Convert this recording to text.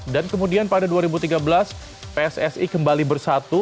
dan kemudian pada dua ribu tiga belas pssi kembali bersatu